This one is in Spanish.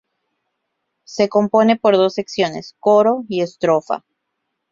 Se compone por dos secciones, coro y estrofa.